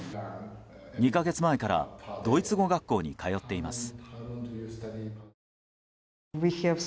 ２か月前からドイツ語学校に通っています。